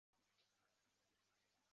傅清于雍正元年授蓝翎侍卫。